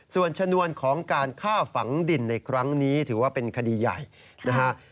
ส่วนชนวนของการฆ่าฝังดินในครั้งนี้ถือว่าเป็นคดีใหญ่นะฮะ